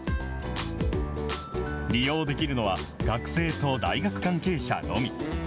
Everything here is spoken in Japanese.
利用できるのは、学生と大学関係者のみ。